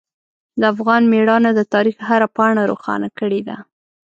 د افغان میړانه د تاریخ هره پاڼه روښانه کړې ده.